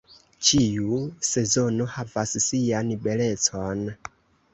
Ĉiu sezono havas sian belecon.